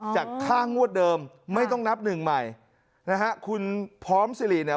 จากค่างวดเดิมไม่ต้องนับหนึ่งใหม่นะฮะคุณพร้อมสิริเนี่ย